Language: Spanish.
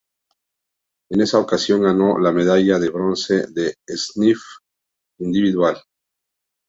En esa ocasión ganó la medalla de bronce en skiff individual.